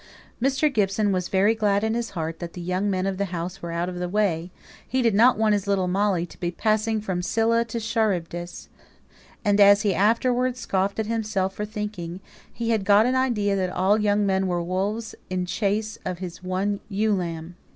Mr. Gibson was very glad in his heart that the young men of the house were out of the way; he did not want his little Molly to be passing from Scylla to Charybdis; and, as he afterwards scoffed at himself for thinking, he had got an idea that all young men were wolves in chase of his one ewe lamb.